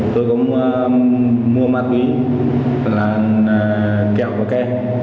tôi cũng mua ma túy là kẹo và ke